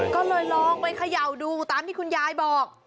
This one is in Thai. ก็เลยลองไปเขย่าดูตามที่คุณยายบอก